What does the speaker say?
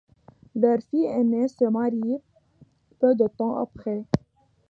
Leur fille aînée se marie peu de temps après.